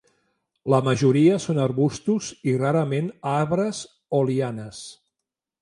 La majoria són arbustos i rarament arbres o lianes.